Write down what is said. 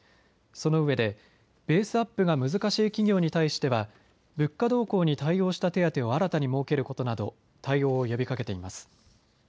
そのうえでベースアップが難しい企業に対しては物価動向に対応した手当を新たに設けることなど対応を呼びかけています。